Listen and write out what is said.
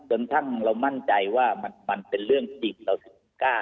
และก็สปอร์ตเรียนว่าคำน่าจะมีการล็อคกรมการสังขัดสปอร์ตเรื่องหน้าในวงการกีฬาประกอบสนับไทย